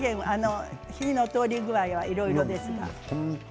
火の通り具合はいろいろですが。